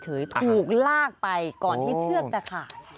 ถูกลากไปก่อนที่เชือกจะขาด